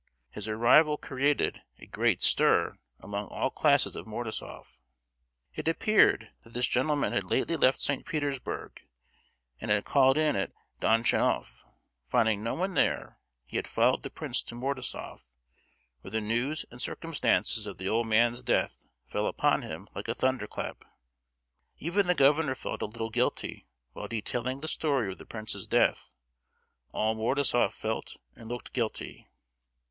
His arrival created a great stir among all classes at Mordasof. It appeared that this gentleman had lately left St. Petersburg, and had called in at Donchanof. Finding no one there, he had followed the prince to Mordasof, where the news and circumstances of the old man's death fell upon him like a thunder clap! Even the governor felt a little guilty while detailing the story of the prince's death: all Mordasof felt and looked guilty.